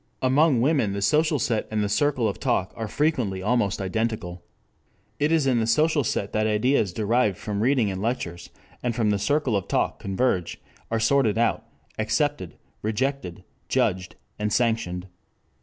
Among women the social set and the circle of talk are frequently almost identical. It is in the social set that ideas derived from reading and lectures and from the circle of talk converge, are sorted out, accepted, rejected, judged and sanctioned.